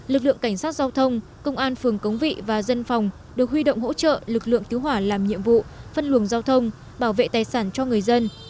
lực lượng cảnh sát giao thông công an phường cống vị và dân phòng được huy động hỗ trợ lực lượng cứu hỏa làm nhiệm vụ phân luồng giao thông bảo vệ tài sản cho người dân